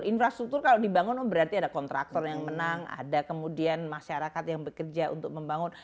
infrastruktur kalau dibangun berarti ada kontraktor yang menang ada kemudian masyarakat yang bekerja untuk membangun